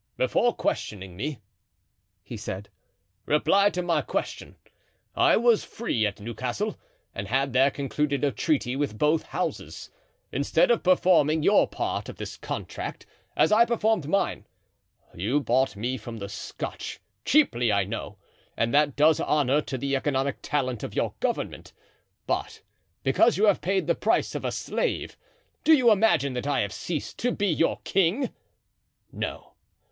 "Before questioning me," he said, "reply to my question. I was free at Newcastle and had there concluded a treaty with both houses. Instead of performing your part of this contract, as I performed mine, you bought me from the Scotch, cheaply, I know, and that does honor to the economic talent of your government. But because you have paid the price of a slave, do you imagine that I have ceased to be your king? No.